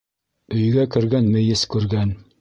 Өйгә кергән мейес күргән.